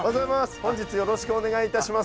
本日よろしくお願いいたします。